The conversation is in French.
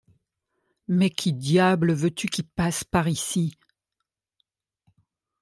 Mais qui diable veux-tu qui passe par ici ?